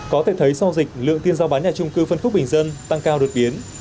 có thể thấy sau dịch lượng tiền giao bán nhà trung cư phân khúc bình dân tăng cao đột biến